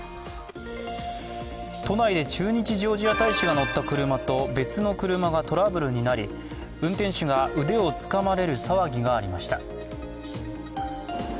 都内で駐日ジョージア大使が乗った車と別の車がトラブルになり、運転手が腕を捕まれる騒ぎになりました。